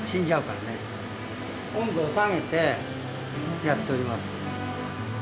温度を下げてやっております。